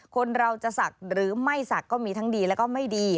คนเราจะศักดิ์หรือไม่ศักดิ์ก็มีทั้งดีแล้วก็ไม่ดี